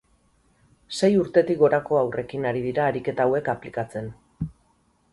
Sei urtetik gorako haurrekin ari dira ariketa hauek aplikatzen.